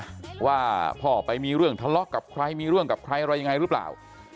ว่าพ่อไปมีเรื่องทะเลาะกับใครมีเรื่องกับใครอะไรยังไงหรือเปล่า